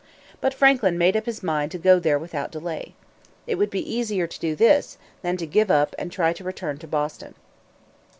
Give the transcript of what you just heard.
But Franklin made up his mind to go there without delay. It would be easier to do this than to give up and try to return to Boston.